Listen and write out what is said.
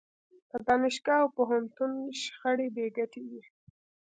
په دانشګاه او پوهنتون شخړه بې ګټې ده.